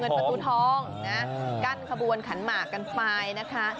ประตูทองนะกั้นขบวนขันหมากกันไปนะคะ